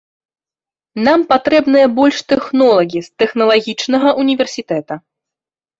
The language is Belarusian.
Нам патрэбныя больш тэхнолагі з тэхналагічнага ўніверсітэта.